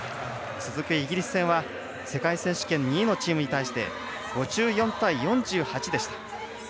続くイギリス戦は世界選手権２位のチームに対して５４対４８でした。